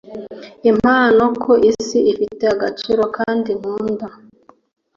impano ku isi, ifite agaciro kandi nkunda